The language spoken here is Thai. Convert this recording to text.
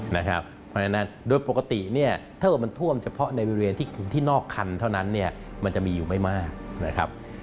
เพราะฉะนั้นโดยปกติถ้ามันท่วมเฉพาะในบริเวณที่นอกคันเท่านั้นมันจะมีอยู่ไม่มาก